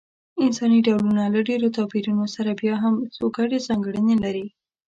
انساني ډولونه له ډېرو توپیرونو سره بیا هم څو ګډې ځانګړنې لري.